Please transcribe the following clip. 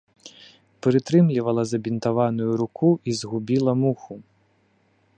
Прытрымлівала забінтаваную руку і згубіла муху.